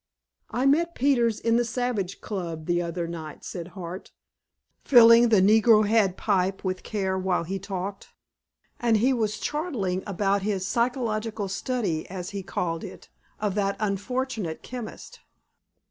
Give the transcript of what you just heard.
"I met Peters in the Savage Club the other night," said Hart, filling the negro head pipe with care while he talked, "and he was chortling about his 'psychological study,' as he called it, of that unfortunate chemist.